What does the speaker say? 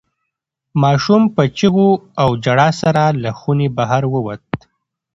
ماشوم په چیغو او ژړا سره له خونې بهر ووت.